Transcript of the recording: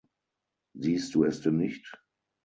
Siehst du es denn nicht?